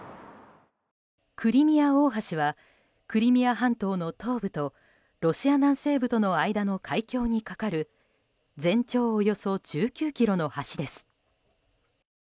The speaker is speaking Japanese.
クリミア大橋はクリミア半島の東部とロシア南西部との間の海峡に架かる全長およそ１９ｋｍの橋です。